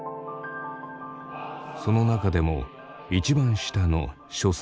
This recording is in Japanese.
その中でも一番下の処世